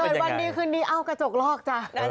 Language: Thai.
เกิดวันนี้คืนนี้เอากระจกลอกจ้ะ